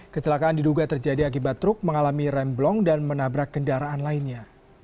kecelakaan diduga terjadi akibat truk mengalami remblong dan menabrak kendaraan lainnya